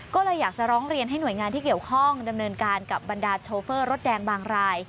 ก็เลยอยากจะร้องเรียนให้หน่วยงานที่เกี่ยวข้องดำเนินการกับบรรดาโชเฟอร์รถแดงบางราย